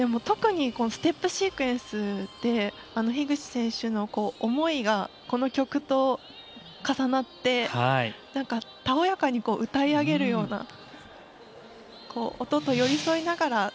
特にステップシークエンスで樋口選手の思いがこの曲と重なってたおやかに歌い上げるような音と寄り添いながら。